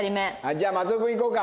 じゃあ松尾君いこうか。